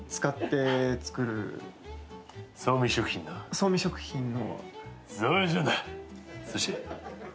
創味食品の。